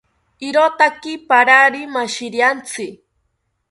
Irotaki parari mashiriantzi